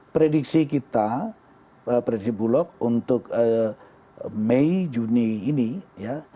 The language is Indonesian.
prediksi kita prediksi bulog untuk mei juni ini ya